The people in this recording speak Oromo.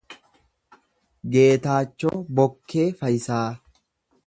Geetaachoo Bokkee Fayisaa